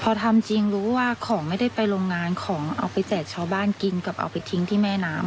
พอทำจริงรู้ว่าของไม่ได้ไปโรงงานของเอาไปแจกชาวบ้านกินกับเอาไปทิ้งที่แม่น้ำ